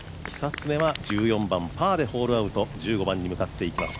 久常は１４番パーでホールアウト１５番へ向かっていきます。